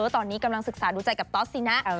ตอนนี้กำลังศึกษาดูใจกับตอสสินะ